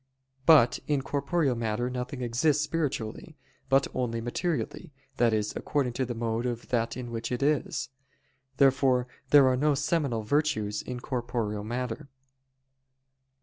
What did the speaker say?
But in corporeal matter nothing exists spiritually, but only materially, that is, according to the mode of that in which it is. Therefore there are no seminal virtues in corporeal matter.